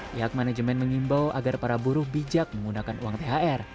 pihak manajemen mengimbau agar para buruh bijak menggunakan uang thr